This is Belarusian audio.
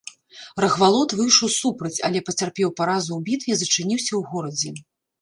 Рагвалод выйшаў супраць, але пацярпеў паразу ў бітве і зачыніўся ў горадзе.